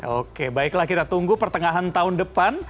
oke baiklah kita tunggu pertengahan tahun depan